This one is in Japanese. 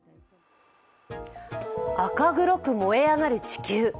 赤黒く燃え上がる地球。